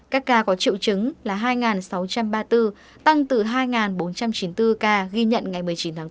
các ca có triệu chứng là hai sáu trăm ba mươi bốn tăng từ hai bốn trăm chín mươi bốn ca ghi nhận ngày một mươi chín tháng bốn